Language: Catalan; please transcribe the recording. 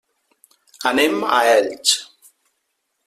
Anem a Elx.